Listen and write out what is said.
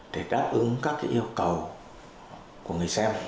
để đáp ứng các yêu cầu của người xem